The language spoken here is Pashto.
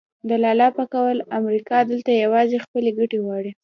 د لالا په قول امریکا دلته یوازې خپلې ګټې غواړي.